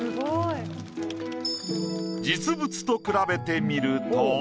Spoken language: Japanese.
実物と比べてみると。